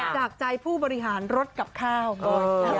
จากใจผู้บริหารรถกับข้าวบอยเจี๊ยบ